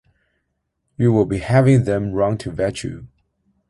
You will be having them round to vet you.